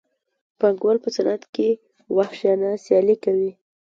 پانګوال په صنعت کې وحشیانه سیالي کوي